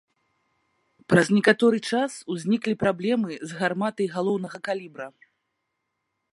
Праз некаторы час узніклі праблемы з гарматай галоўнага калібра.